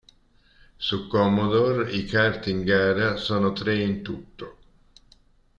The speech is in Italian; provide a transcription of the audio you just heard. Su Commodore i kart in gara sono tre in tutto.